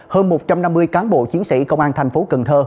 hơn một trăm năm mươi cán bộ chiến sĩ công an thành phố cần thơ